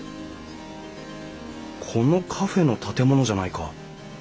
このカフェの建物じゃないか。